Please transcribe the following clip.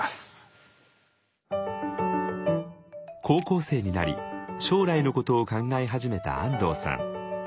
高校生になり将来のことを考え始めた安藤さん。